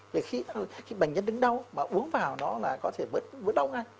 vì khi bệnh nhân đứng đau mà uống vào nó là có thể bớt đau ngay